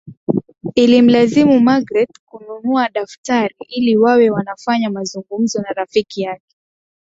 Ilimlazimu Magreth kununua daftari ili wawe wanafanya mazungumzo na Rafiki yake